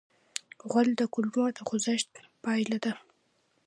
غول د کولمو د خوځښت پایله ده.